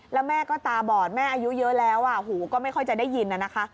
แล้วแม่ก็ตาบอดแม่อายุเยอะแล้วหูก็ไม่ค่อยจะได้ยินนะคะ